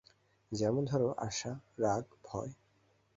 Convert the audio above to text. যেমন ধরো, আশা, রাগ, ভয়।